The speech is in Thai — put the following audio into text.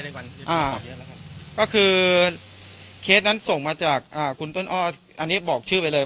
อ่าเยอะแล้วครับก็คือเคสนั้นส่งมาจากอ่าคุณต้นอ้ออันนี้บอกชื่อไปเลย